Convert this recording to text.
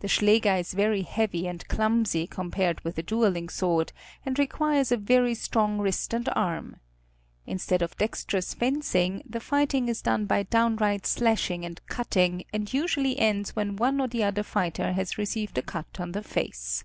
The schläger is very heavy and clumsy compared with a dueling sword, and requires a very strong wrist and arm. Instead of dexterous fencing the fighting is done by downright slashing and cutting and usually ends when one or the other fighter has received a cut on the face.